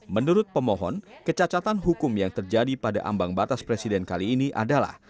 menurut pemohon kecacatan hukum yang terjadi pada ambang batas presiden kali ini adalah